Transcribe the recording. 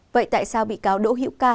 vậy tại sao bị cáo đỗ hiệu ca